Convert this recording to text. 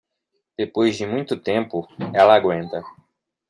Depois de muito tempo, ela aguenta.